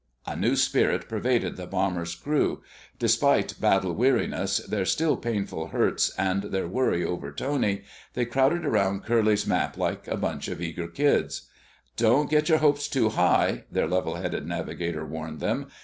A new spirit pervaded the bomber's crew. Despite battle weariness, their still painful hurts and their worry over Tony, they crowded around Curly's map like a bunch of eager kids. "Don't get your hopes too high," their levelheaded navigator warned them.